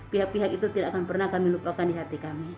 pihak pihak itu tidak akan pernah kami lupakan di hati kami